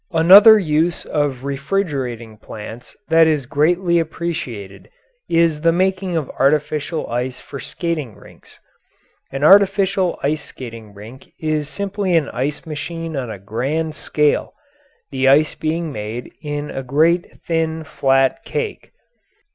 Another use of refrigerating plants that is greatly appreciated is the making of artificial ice for skating rinks. An artificial ice skating rink is simply an ice machine on a grand scale the ice being made in a great, thin, flat cake.